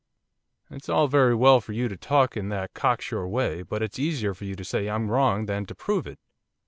'It's all very well for you to talk in that cocksure way, but it's easier for you to say I'm wrong than to prove it.